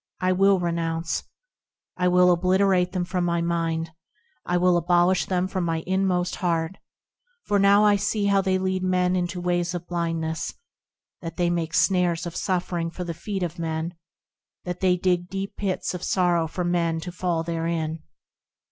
I will renounce ; I will obliterate them from my mind ; I will abolish them from my inmost heart ; For now I see how they lead men into ways of blindless ; That they make snares of suffering for the feet of men ; That they dig deep pits of sorrow for men to fall therein.